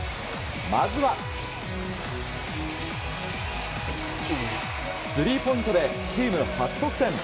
まずはスリーポイントでチーム初得点。